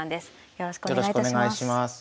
よろしくお願いします。